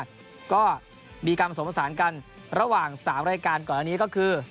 แล้วก็มีการผสมผสานกันระหว่าง๓รายการก่อนอันนี้ก็คือ